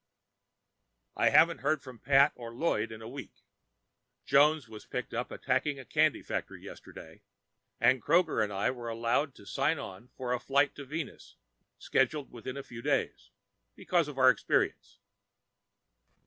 I haven't heard from Pat or Lloyd for a week. Jones was picked up attacking a candy factory yesterday, and Kroger and I were allowed to sign on for the flight to Venus scheduled within the next few days because of our experience.